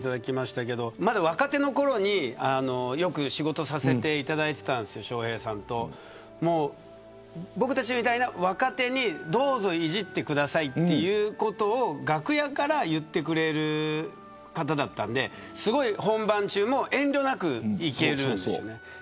若手のころによく仕事をさせていただいていたんです笑瓶さんと。僕たちみたいな若手にどうぞいじってくださいということを楽屋から言ってくれる方だったので本番中も遠慮なくいける。